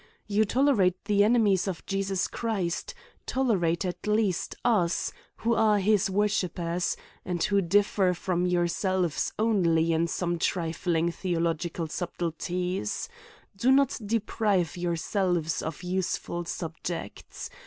You tolerate the enemies of Jesus Christ; tolerate, at least, us, who are his worshipers, and who dif 172 A COMMENTARY ON fer from yourselves, only in some trifling theolo ^cal subtilties — Do not deprive yourselves of useful subjects.